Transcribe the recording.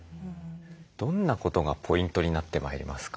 どんなことがポイントになってまいりますか？